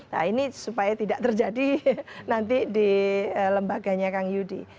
nah ini supaya tidak terjadi nanti di lembaganya kang yudi